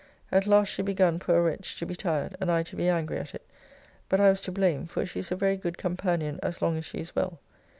At last she begun, poor wretch, to be tired, and I to be angry at it, but I was to blame; for she is a very good companion as long as she is well.